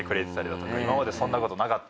今までそんなことなかったんで。